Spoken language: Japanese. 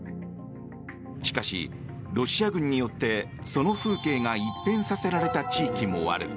しかし、ロシア軍によってその風景が一変させられた地域もある。